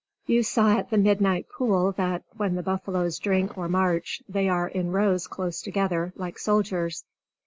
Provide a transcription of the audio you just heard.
You saw at the midnight pool that, when the buffaloes drink or march, they are in rows close together, like soldiers.